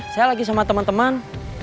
saya lagi sama teman teman